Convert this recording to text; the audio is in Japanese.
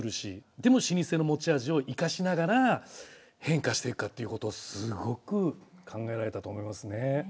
でも老舗の持ち味を生かしながら変化していくかっていうことをすごく考えられたと思いますね。